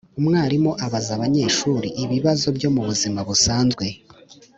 Umwarimu abaza abanyeshuri ibibazo byo mu buzima busanzwe